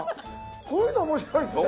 こういうの面白いですね。